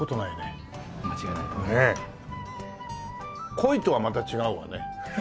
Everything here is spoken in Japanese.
コイとはまた違うわね。